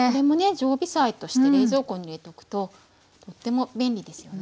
常備菜として冷蔵庫に入れておくととっても便利ですよね。